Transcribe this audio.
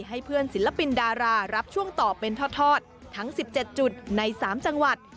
ให้เพื่อนศิลปินดารารับช่วงต่อเป็นทอดทั้ง๑๗จุดใน๓จังหวัด